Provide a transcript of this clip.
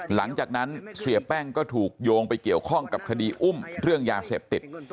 หลังจากนั้นเสียแป้งก็ถูกโยงไปเกี่ยวข้องกับคดีอุ้มเรื่องยาเสพติด